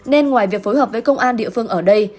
nên ngoài việc phối hợp với công an địa phương ở đây